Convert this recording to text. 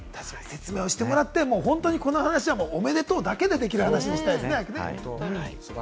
説明してもらって、この話はおめでとうだけでできる話にしたいですね。